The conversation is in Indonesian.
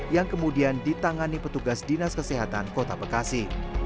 yang kemudian ditangani petugas dinas kesehatan kota bekasi